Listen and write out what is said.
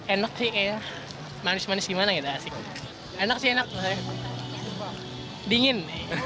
enak sih kayak manis manis gimana gitu asik enak sih enak dingin